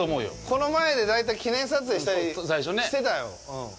この前で大体、記念撮影したりしてたよ。